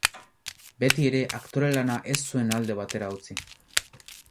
Beti ere, aktore lana ez zuen alde batera utzi.